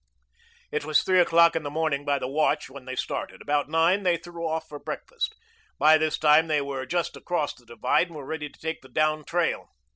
It was three o'clock in the morning by the watch when they started. About nine they threw off for breakfast. By this time they were just across the divide and were ready to take the down trail.